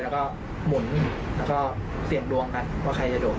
แล้วก็หมุนแล้วก็เสี่ยงดวงกันว่าใครจะโดด